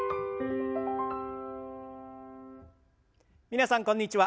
皆さんこんにちは。